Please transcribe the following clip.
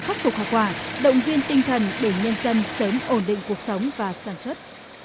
khắc phục hậu quả động viên tinh thần để nhân dân sớm ổn định cuộc sống và sản xuất